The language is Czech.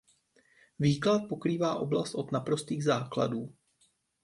Výklad pokrývá oblast od naprostých základů